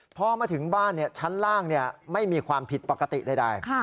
พอมาถึงบ้านเนี่ยชั้นล่างเนี่ยไม่มีความผิดปกติใด